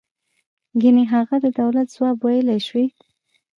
گني هغه د دولت ځواب ویلای شوی.